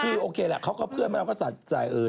คือโอเคละเขาก็เพื่อนมาแล้วก็สนใจ